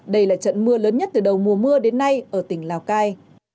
đây là trận mưa lớn nhất từ đầu mùa mưa đến nay ở tỉnh lào cai